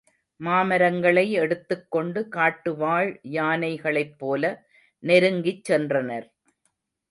மராமரங்களை எடுத்துக் கொண்டு காட்டுவாழ் யானைகளைப் போல நெருங்கிச் சென்றனர்.